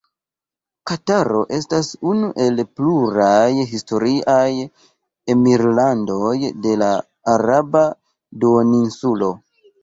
Kataro estas unu el pluraj historiaj emirlandoj de la Araba Duoninsulo.